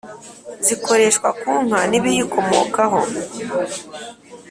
zikoreshwa ku nka n ‘ibiyikomokaho